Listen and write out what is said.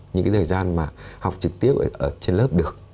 những cái thời gian mà học trực tiếp ở trên lớp được